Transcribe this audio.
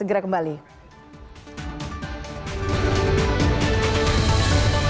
terima kasih juga selamat malam